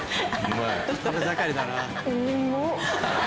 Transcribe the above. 食べ盛りだな。